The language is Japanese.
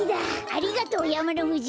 ありがとうやまのふじ！